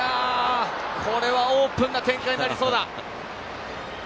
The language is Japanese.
これはオープンな展開になりそうだ。